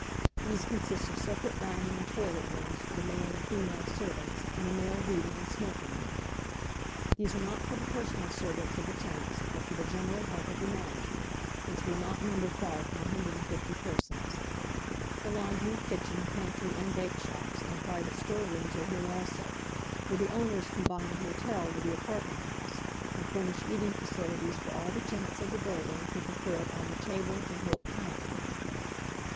These consist of separate dining and toilet rooms for the male and female servants and a male reading and smoking room. These are not for the personal servants of the tenants, but for the general help of the management, which will not number far from 150 persons. The laundry, kitchen, pantry, and bake shops, and private storerooms are here also, for the owners combine a hotel with the apartment house, and furnish eating facilities for all the tenants of the building who prefer it on the table d'hôte plan.